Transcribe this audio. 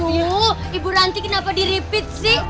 yuk ibu ranti kenapa diripit sih